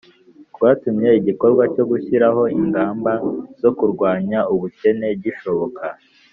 rwatumye igikorwa cyo gushyiraho ingamba zo kurwanya ubukene gishoboka